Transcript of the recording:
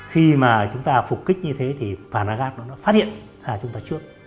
khi mà chúng ta phục kích như thế thì phản án gác nó đã phát hiện ra chúng ta trước